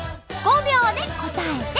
５秒で答えて！